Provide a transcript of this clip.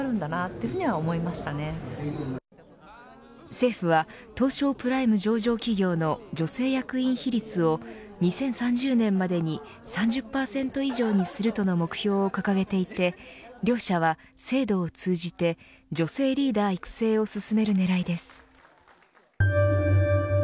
政府は東証プライム上場企業の女性役員比率を２０３０年までに３０％以上にするとの目標を掲げていて両社は制度を通じて女性リーダー育成を進める狙いです。